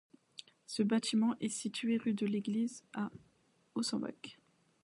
Ce bâtiment est situé rue de l'Église à Osenbach.